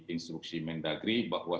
instruksi mendagri bahwa